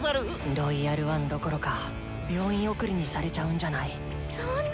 「ロイヤル・ワン」どころか病院送りにされちゃうんじゃない⁉そんな。